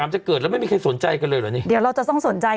จะเกิดแล้วไม่มีใครสนใจกันเลยเหรอนี่เดี๋ยวเราจะต้องสนใจ